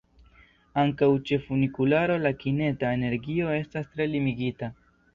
Ankaŭ ĉe funikularo la kineta energio estas tre limigita.